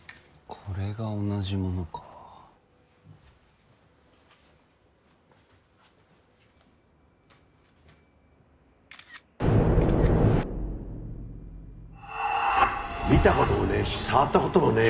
これが同じものか見たことも触ったこともねえよ